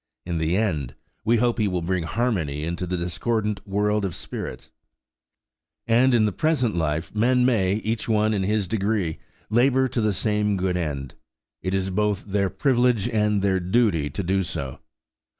In the end, we hope He will bring harmony into the discordant world of spirits. And in the present life men may, each one in his degree, labour to the same good end. It is both their privilege and their duty to do so.